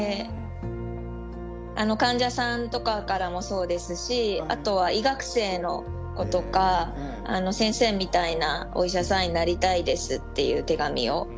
患者さんとかからもそうですしあとは医学生の子とか「先生みたいなお医者さんになりたいです」っていう手紙をたくさん頂いて。